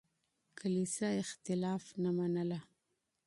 کليسا اختلاف نه منله.